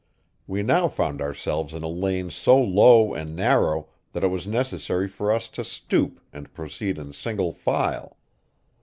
We now found ourselves in a lane so low and narrow that it was necessary for us to stoop and proceed in single file.